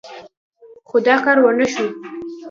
خو دا کار ونه شو.